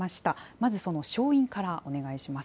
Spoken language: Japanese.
まずその勝因からお願いします。